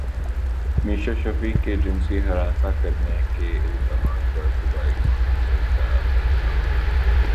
میشا شفیع کے جنسی ہراساں کرنے کے الزامات پر صوبائی محتسب کا فیصلہ